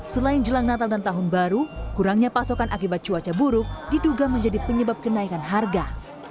selain jelang natal dan tahun baru kurangnya pasokan akibat cuaca buruk diduga menjadi penyebab kenaikan harga